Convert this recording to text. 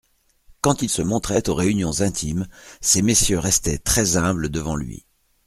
Quand il se montrait aux réunions intimes, ces messieurs restaient très-humbles devant lui.